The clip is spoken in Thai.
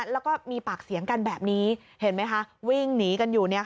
แล้วก็มีปากเสียงกันแบบนี้เห็นไหมคะวิ่งหนีกันอยู่